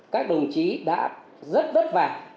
các đồng chí đã rất vất vả